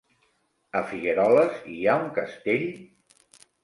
A Figueroles hi ha un castell?